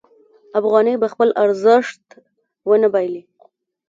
افغانۍ به خپل ارزښت ونه بایلي.